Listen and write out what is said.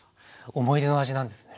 思い出の味なんですね。